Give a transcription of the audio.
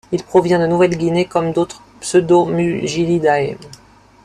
Il provient de Nouvelle-Guinée comme d'autres Pseudomugilidae.